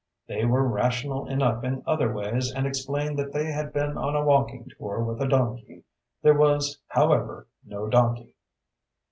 They were rational enough in other ways and explained that they had been on a walking tour with a donkey. There was, however, no donkey.